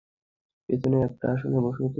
পেছনের একটা আসনে বসো তো।